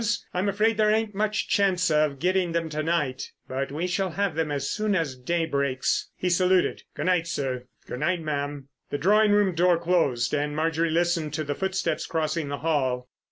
I'm afraid there ain't much chance of getting them to night, but we shall have them as soon as day breaks." He saluted. "Good night, sir. Good night, ma'am." The drawing room door closed, and Marjorie listened to the footsteps crossing the hall.